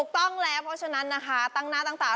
ต้องต้องตั้งหน้าตั้งตา